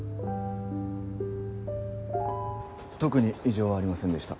・特に異常はありませんでした